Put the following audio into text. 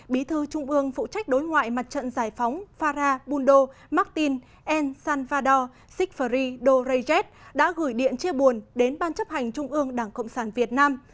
bí thư trung ương phụ trách đối ngoại mặt trận giải phóng farabundo martín ensanvador sigfari dorejet đã gửi điện chia buồn đến ban chấp hành trung ương đảng cộng sản việt nam